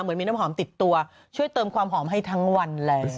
เหมือนมีน้ำหอมติดตัวช่วยเติมความหอมให้ทั้งวันแล้ว